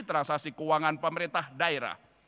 transaksi keuangan pemerintah daerah